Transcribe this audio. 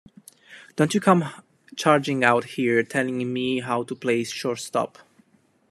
Don't you come charging out here telling me how to play shortstop.